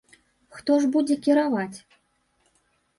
Хто ж будзе кіраваць?